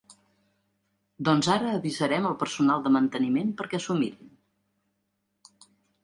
Doncs ara avisarem al personal de manteniment perquè s'ho mirin.